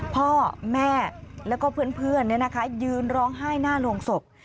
พ่อแม่แล้วก็เพื่อนเนี่ยนะคะยืนร้องไห้หน้าลงศพ